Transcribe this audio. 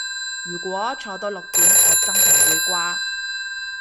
如果坐到六點我真係會瓜